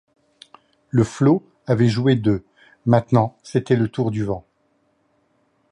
Le flot avait joué d’eux, maintenant c’était le tour du vent.